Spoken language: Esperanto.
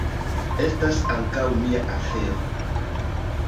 Estas ankaŭ mia afero.